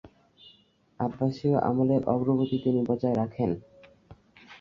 আব্বাসীয় আমলের অগ্রগতি তিনি বজায় রাখেন।